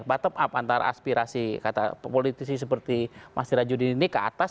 bottom up antara aspirasi kata politisi seperti mas dirajudin ini ke atas